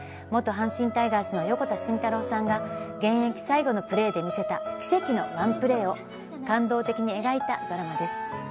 元阪神タイガースの横田慎太郎さんが現役最後のプレーで見せた奇跡のワンプレーを感動的に描いたドラマです。